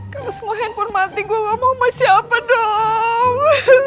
kalau semua handphone mati gue gak mau sama siapa dong